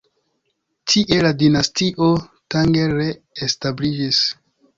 Tie la Dinastio Tang re-establiĝis.